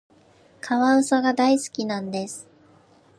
カワウソが大好きなんです。